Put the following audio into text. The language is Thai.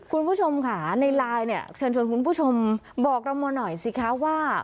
คุณผู้ชมค่ะในไลน์เนี่ยเชิญชวนคุณผู้ชมบอกเรามาหน่อยสิคะว่า